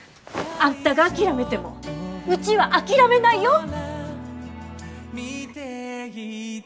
あんたが諦めてもうちは諦めないよ。